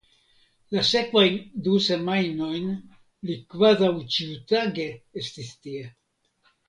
La sekvajn du semajnojn li kvazaŭ ĉiutage estis tie.